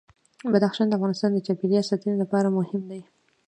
بدخشان د افغانستان د چاپیریال ساتنې لپاره مهم دي.